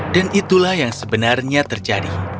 dan itulah yang sebenarnya terjadi